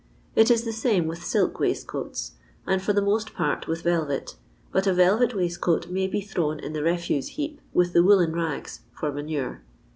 It is the same with silk waistcoats, and for the most part with velvet, but a velvet waistcoat may be thrown in the refuse heap with the woollen rags for manure.